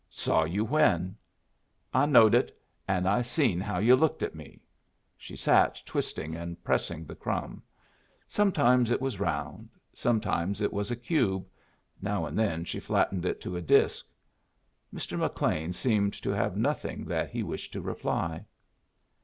"Saw you when?" "I knowed it. And I seen how you looked at me." She sat twisting and pressing the crumb. Sometimes it was round, sometimes it was a cube, now and then she flattened it to a disk. Mr. McLean seemed to have nothing that he wished to reply.